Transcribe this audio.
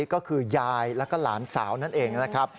ก็คือยายแล้วก็หลานสาวนั่นเองนะครับ